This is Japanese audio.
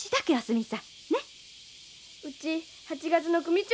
うち８月の組長なんよ。